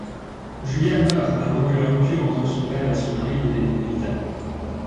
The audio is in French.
Julia meurt avant que la rupture entre son père et son mari devienne inévitable.